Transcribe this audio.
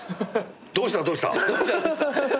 どうしたどうした。